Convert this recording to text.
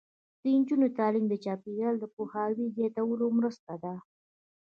د نجونو تعلیم د چاپیریال پوهاوي زیاتولو مرسته ده.